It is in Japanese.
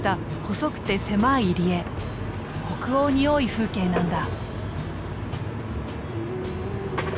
北欧に多い風景なんだ。